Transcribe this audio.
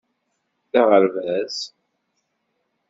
D aɣerbaz.